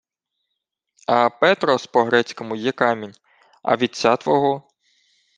— А «петрос» по-грецькому є камінь. А вітця твого?